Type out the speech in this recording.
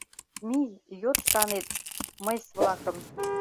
Мий, йод шканет мыйс-влакым.